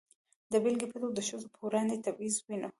د بېلګې په توګه د ښځو پر وړاندې تبعیض وینو.